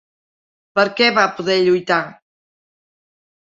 Per què va poder lluitar?